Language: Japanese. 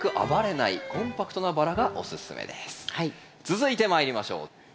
続いてまいりましょう。